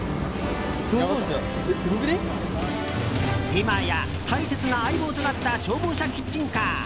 今や、大切な相棒となった消防車キッチンカー。